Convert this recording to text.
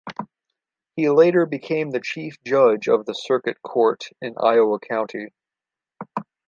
He later became the chief judge of the circuit court in Iowa County.